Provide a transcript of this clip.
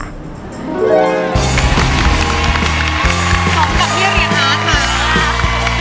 ขอบคุณกับเรื่องอย่างน้าค่ะ